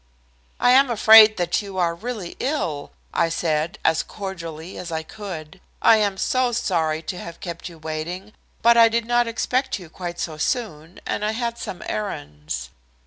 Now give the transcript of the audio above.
"I am afraid that you are really ill," I said as cordially as I could. "I am so sorry to have kept you waiting, but I did not expect you quite so soon, and I had some errands."